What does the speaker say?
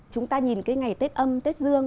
chúng ta nhìn cái ngày tết âm tết dương